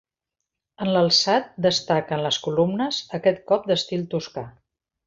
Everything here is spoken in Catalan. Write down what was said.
En l'alçat destaquen les columnes, aquest cop d'estil toscà.